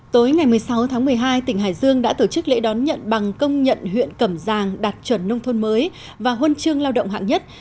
tối ngày một mươi sáu tháng một mươi hai tỉnh hải dương đã tổ chức lễ đón nhận bằng công nhận huyện cẩm giang đạt chuẩn nông thôn mới và huân chương lao động hạng nhất